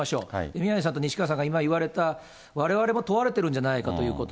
宮根さんと西川さんが今言われた、われわれも問われてるんじゃないかということ。